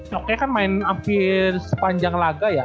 coke kan main hampir sepanjang laga ya